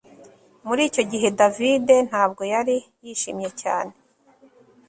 Muri icyo gihe David ntabwo yari yishimye cyane